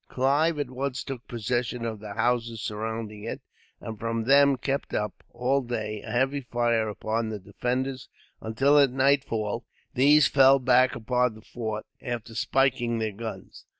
Clive at once took possession of the houses surrounding it, and from them kept up, all day, a heavy fire upon the defenders; until, at nightfall, these fell back upon the fort, after spiking their guns.